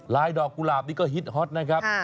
ดอกกุหลาบนี้ก็ฮิตฮอตนะครับ